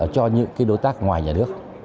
cho những cái đối tác ngoài nhà nước